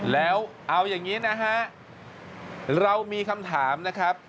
แล้วเอาอย่างนี้นะฮะเรามีคำถามนะครับ